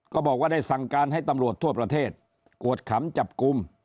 ก็บอกว่าได้สั่งการให้ตำรวจทั่วประเทศกวดขำจับกลุ่ม